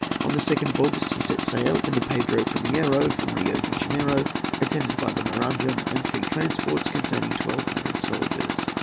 On the 2nd of August he set sail in the Pedro Primiero from Rio de Janeiro, attended by the Maranham and three transports containing twelve hundred soldiers.